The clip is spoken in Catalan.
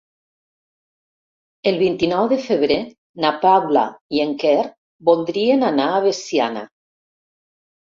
El vint-i-nou de febrer na Paula i en Quer voldrien anar a Veciana.